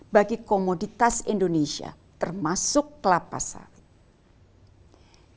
bagi komoditas indonesia termasuk kelapa sawit